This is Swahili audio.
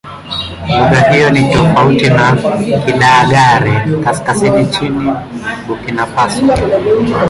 Lugha hiyo ni tofauti na Kidagaare-Kaskazini nchini Burkina Faso.